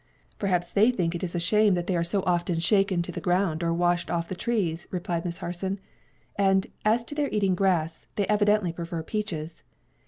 "Perhaps they think it a shame that they are so often shaken to the ground or washed off the trees," replied Miss Harson; "and, as to their eating grass, they evidently prefer peaches.